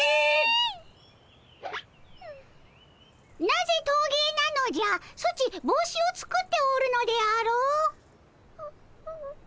なぜトーゲーなのじゃソチ帽子を作っておるのであろう？